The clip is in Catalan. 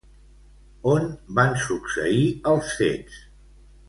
On van succeir els fets?